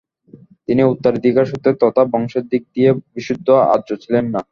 তিনি উত্তরাধিকার সূত্রে তথা বংশের দিক দিয়ে বিশুদ্ধ আর্য ছিলেন না।